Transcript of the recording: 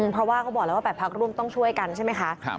เพราะว่าเขาบอกแล้วว่า๘พักร่วมต้องช่วยกันใช่ไหมคะ